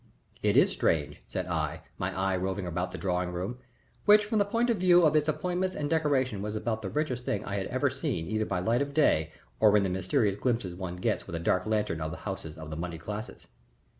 "It is strange," said I, my eye roving about the drawing room, which from the point of view of its appointments and decoration was about the richest thing I had ever seen either by light of day or in the mysterious glimpses one gets with a dark lantern of the houses of the moneyed classes.